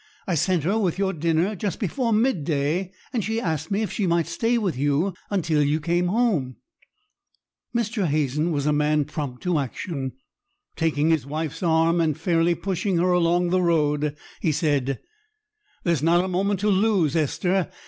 I sent her with your dinner just before mid day, and she asked me if she might stay with you until you came home." Mr. Hazen was a man prompt to action. Taking his wife's arm and fairly pushing her along the road, he said,— "There's not a moment to lose, Esther.